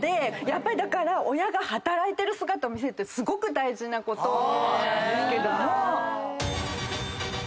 やっぱりだから親が働いてる姿を見せるってすごく大事なことなんですけども。